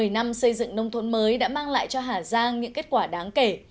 một mươi năm xây dựng nông thôn mới đã mang lại cho hà giang những kết quả đáng kể